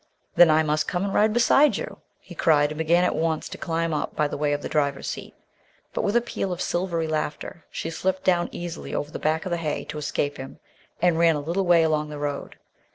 "Then I must come and ride beside you," he cried, and began at once to climb up by way of the driver's seat. But, with a peal of silvery laughter, she slipped down easily over the back of the hay to escape him, and ran a little way along the road.